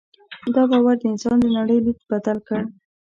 دا باور د انسان د نړۍ لید بدل کړ.